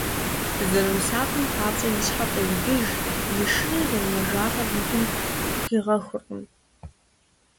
Зэрымысакъам папщӀэ и щхьэр фӀеудыж, и шырыр зэрымэжалӀэр и гум хуигъэхуркъым.